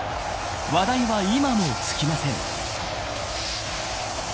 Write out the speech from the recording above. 話題は今も尽きません。